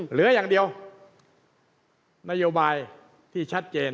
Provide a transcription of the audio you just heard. เหลืออย่างเดียวนโยบายที่ชัดเจน